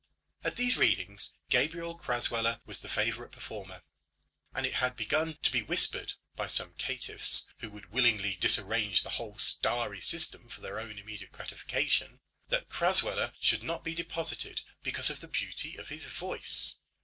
At these readings Gabriel Crasweller was the favourite performer, and it had begun to be whispered by some caitiffs who would willingly disarrange the whole starry system for their own immediate gratification, that Crasweller should not be deposited because of the beauty of his voice.